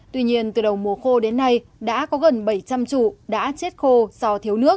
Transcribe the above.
tuy nhiên từ đầu mùa khô đến nay đã có gần bảy trăm linh trụ đã chết khô do thiếu nước